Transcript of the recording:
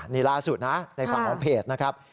นี่ล่าสุดนะในฝั่งของเพจนะครับ